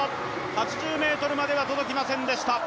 ８０ｍまでは届きませんでした。